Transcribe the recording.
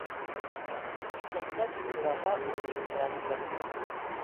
Иртәнсәк глава үҙе шылтыратты.